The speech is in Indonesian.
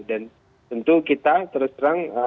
dan tentu kita terus terang